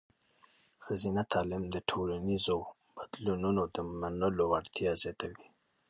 ښځینه تعلیم د ټولنیزو بدلونونو د منلو وړتیا زیاتوي.